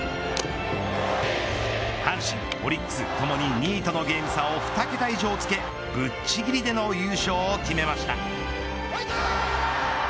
阪神、オリックスともに２位とのゲーム差を２桁以上つけぶっちぎりでの優勝を決めました。